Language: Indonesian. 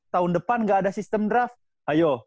tahun depan gak ada sistem draft ayo